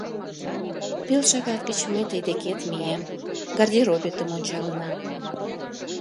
Пел шагат гыч мый тый декет мием, гардеробетым ончалына.